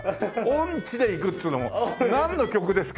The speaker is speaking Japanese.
音痴でいくっつうのもなんの曲ですか？